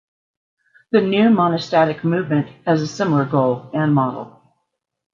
The New Monastic movement has a similar goal and model.